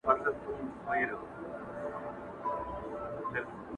چي خپه راڅخه نه سې په پوښتنه،